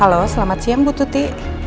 halo selamat siang bu tuti